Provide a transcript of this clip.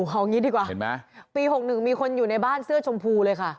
เอางี้ดีกว่าเห็นไหมปี๖๑มีคนอยู่ในบ้านเสื้อชมพูเลยค่ะ